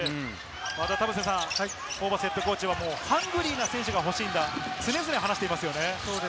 田臥さん、ホーバスＨＣはハングリーな選手が欲しいんだと常々話していますね。